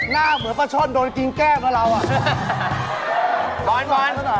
น่าเหมือนปราชนโดนกินแก้วตัวเราอะ